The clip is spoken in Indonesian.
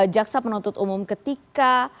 jaksa penuntut umum ketika